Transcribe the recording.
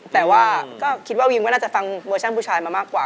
แต่ว่าก็คิดว่าวิมก็น่าจะฟังเวอร์ชั่นผู้ชายมามากกว่า